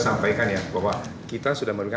sampaikan ya bahwa kita sudah memberikan